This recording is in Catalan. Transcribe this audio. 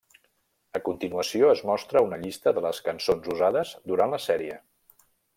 A continuació es mostra una llista de les cançons usades durant la sèrie.